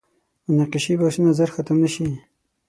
مناقشې بحثونه ژر ختم نه شي.